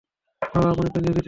বাবা, আপনি তো নেভি তে ছিলেন!